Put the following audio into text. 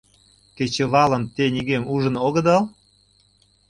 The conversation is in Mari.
Кечывалым те нигӧм ужын огыдал?